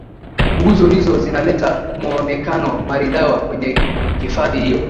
nguzo hizo zinaleta muonekano maridhawa kwenye hifadhi hiyo